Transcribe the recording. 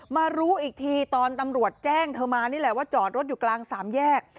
มารู้อีกทีตอนตำรวจแจ้งเธอมานี่แหละว่าจอดรถอยู่กลางสามแยก